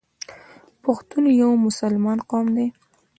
پښتون یو مسلمان قوم دی.